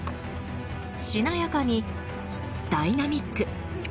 しなやかにダイナミック。